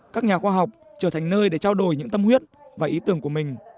các nhà khoa học trở thành nơi để trao đổi những tâm huyết và ý tưởng của mình